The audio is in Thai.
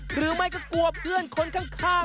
หรือไม่ก็กลัวเพื่อนคนข้าง